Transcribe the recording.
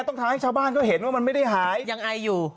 แกต้องทางให้ชาวบ้านก็เห็นว่ามันไม่ได้หายยังไออยู่